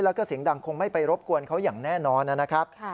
แล้วก็เสียงดังคงไม่ไปรบกวนเขาอย่างแน่นอนนะครับ